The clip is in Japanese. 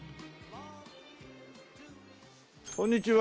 こんにちは。